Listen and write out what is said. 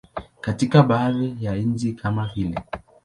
Katika baadhi ya nchi kama vile.